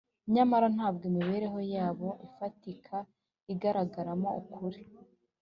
nyamara ntabwo imibereho yabo ifatika igaragaramo ukuri